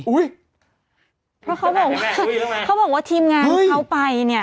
เพราะเขาบอกว่าเขาบอกว่าทีมงานเขาไปเนี่ย